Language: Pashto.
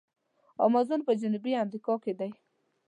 امازون په جنوبي امریکا کې دی.